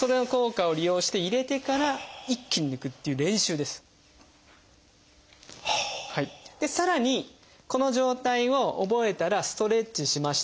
でさらにこの状態を覚えたらストレッチしました。